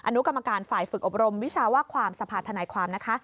อนุกรรมการฝ่ายฝึกอบรมวิชาว่าความสภาธนายความนะคะ